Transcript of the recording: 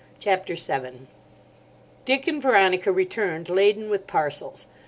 CHAPTER VII DICK and Veronica returned laden with parcels.